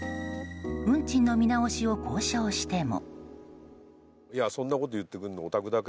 運賃の見直しを交渉しても。